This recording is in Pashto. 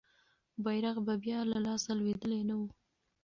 بیرغ به بیا له لاسه لوېدلی نه وو.